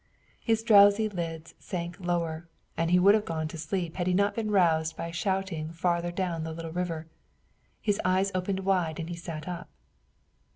His drowsy lids sank lower and he would have gone to sleep had he not been roused by a shouting farther down the little river. His eyes opened wide and he sat up.